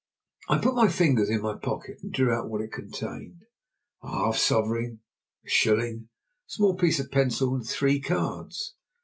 I put my fingers in my pocket, and drew out what it contained a half sovereign, a shilling, a small piece of pencil, and three cards.